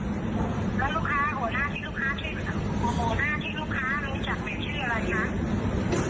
แล้วหัวหน้าที่ลูกค้ารู้จักเป็นชื่ออะไรครับ